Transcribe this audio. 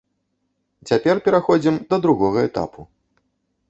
Цяпер пераходзім да другога этапу.